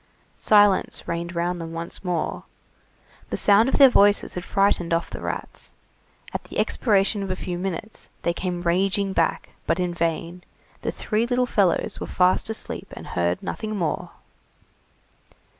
Silence reigned round them once more, the sound of their voices had frightened off the rats; at the expiration of a few minutes, they came raging back, but in vain, the three little fellows were fast asleep and heard nothing more.